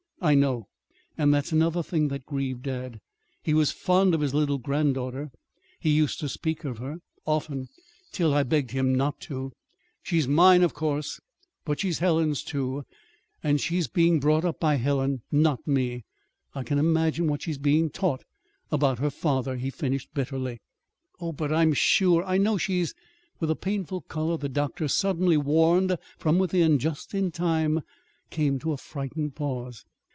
"I know. And that's another thing that grieved dad. He was fond of his little granddaughter. He used to speak of her, often, till I begged him not to. She's mine, of course; but she's Helen's, too, and she is being brought up by Helen not me. I can imagine what she's being taught about her father," he finished bitterly. "Oh, but I'm sure I know she's " With a painful color the doctor, suddenly warned from within just in time, came to a frightened pause.